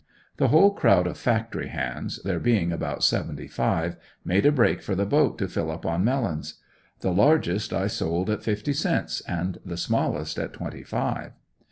The whole crowd of factory hands, there being about seventy five, made a break for the boat to fill up on melons. The largest I sold at fifty cents and the smallest at twenty five.